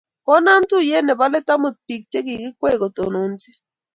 koonam tuyie nebo let amut biik che kikwei kotononchi.